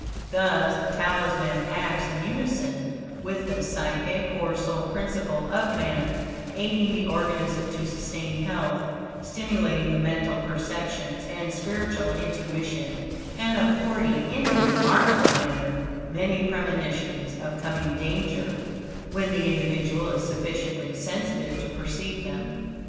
Thus, the Talisman acts in unison with the psychic, or soul principle, of man, aiding the organism to sustain health, stimulating the mental perceptions, and spiritual intuition, and affording in a remarkable manner, many premonitions of coming danger, when the individual is sufficiently sensitive to perceive them.